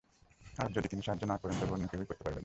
আর যদি তিনি সাহায্য না করেন, তবে অন্য কেহই করিতে পারিবে না।